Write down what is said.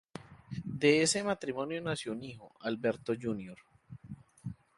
De ese matrimonio nació un hijo, Alberto Jr.